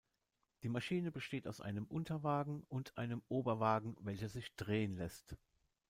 Die Maschine besteht aus einem Unterwagen und einem Oberwagen, welcher sich drehen lässt.